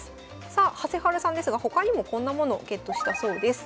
さあはせはるさんですが他にもこんなものをゲットしたそうです。